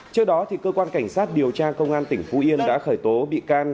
trước đó cơ quan cảnh sát điều tra công an tỉnh phú yên đã khởi tố bị can